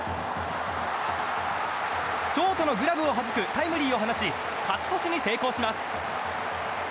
ショートのグラブをはじくタイムリーを放ち勝ち越しに成功します。